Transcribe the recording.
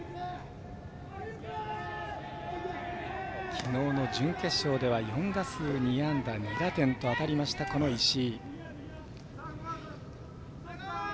きのうの準決勝では４打数２安打２打点と当たりました、石井。